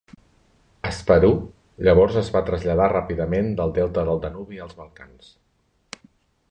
Asparuh llavors es va traslladar ràpidament del delta del Danubi als Balcans.